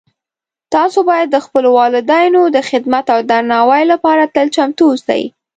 تاسو باید د خپلو والدینو د خدمت او درناوۍ لپاره تل چمتو اوسئ